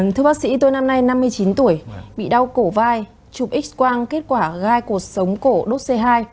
thưa bác sĩ tôi năm nay năm mươi chín tuổi bị đau cổ vai chụp x quang kết quả gai cuộc sống cổ đốt c hai